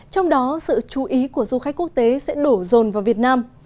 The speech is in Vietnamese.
trong đó sự chú ý của du khách quốc tế sẽ đổ rồn vào việt nam